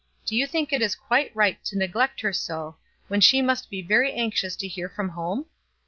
Do you think it is quite right to neglect her so, when she must be very anxious to hear from home?'